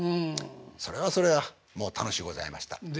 それはそれはもう楽しゅうございました。でしょうな。